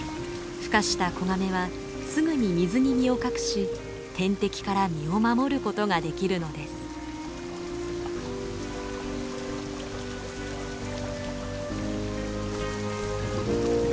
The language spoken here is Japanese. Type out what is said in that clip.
孵化した子ガメはすぐに水に身を隠し天敵から身を守ることができるのです。